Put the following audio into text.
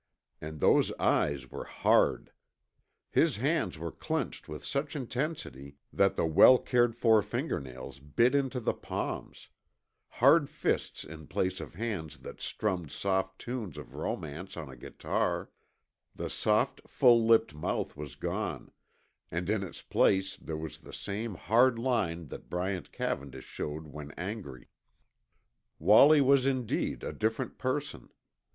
And those eyes were hard. His hands were clenched with such intensity that the well cared for fingernails bit into the palms ... hard fists in place of hands that strummed soft tunes of romance on a guitar. The soft, full lipped mouth was gone, and in its place there was the same hard line that Bryant Cavendish showed when angry. Wallie was indeed a different person.